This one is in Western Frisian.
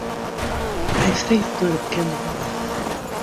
Hy freget nei de bekende wei.